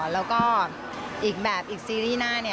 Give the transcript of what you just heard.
แล้วก็อีกแบบอีกซีรีส์หน้า